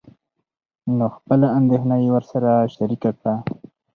نو خپله اندېښنه يې ورسره شريکه کړه.